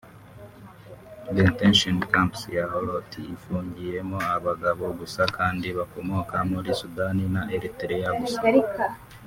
Detention camp ya Holot ifungiyemo abagabo gusa kandi bakomoka muri Sudan na Eritrea gusa